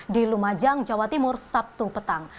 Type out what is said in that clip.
di lumajang jawa timur sabtu petang